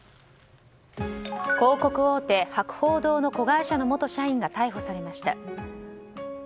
広告王手、博報堂の子会社の元社員が逮捕されました。